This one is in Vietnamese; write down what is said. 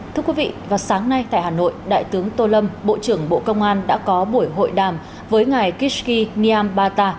thưa quý vị vào sáng nay tại hà nội đại tướng tô lâm bộ trưởng bộ công an đã có buổi hội đàm với ngài kiski niam bata